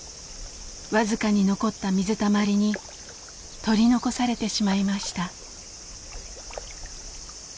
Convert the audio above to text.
僅かに残った水たまりに取り残されてしまいました。